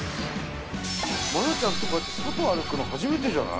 愛菜ちゃんとこうやって外歩くの初めてじゃない？